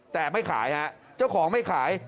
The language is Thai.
แต่ไม่ขายฮะเจ้าของไม่ขาย